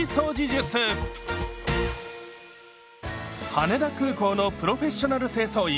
羽田空港のプロフェッショナル清掃員